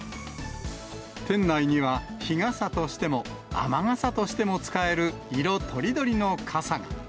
店内には日傘としても、雨傘としても使える色とりどりの傘が。